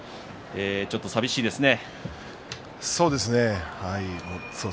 ちょっとさみしいですね